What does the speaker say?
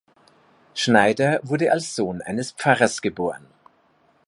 Schneider wurde als Sohn eines Pfarrers geboren.